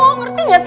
ngerti gak sih